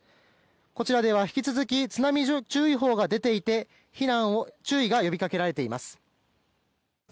こちらでは引き続き津波注意報が出ていて注意が呼びかけられています。